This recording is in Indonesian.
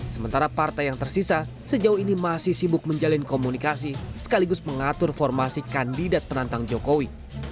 sementara partai yang tersisa sejauh ini masih sibuk menjalin komunikasi sekaligus mengatur formasi kandidat penantang jokowi